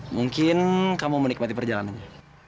mungkin kamu menikmati perjalanannya